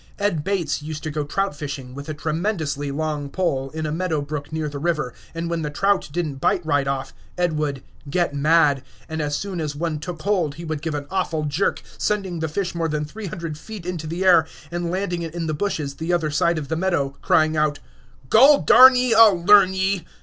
Ed Bates used to go trout fishing, with a tremendously long pole, in a meadow brook near the river; and when the trout didn't bite right off, Ed would get mad, and as soon as one took hold he would give an awful jerk, sending the fish more than three hundred feet into the air and landing it in the bushes the other side of the meadow, crying out, "Gul darn ye, I'll learn ye."